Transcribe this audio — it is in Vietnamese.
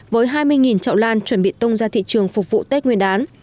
với hai mươi chậu lan chuẩn bị tung ra thị trường phục vụ tết nguyên đán